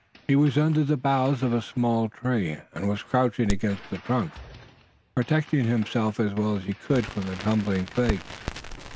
He was under the boughs of a small tree and was crouched against the trunk, protecting himself as well as he could from the tumbling flakes.